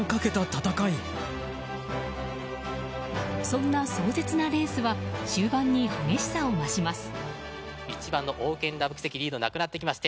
そんな壮絶なレースは終盤に激しさを増します。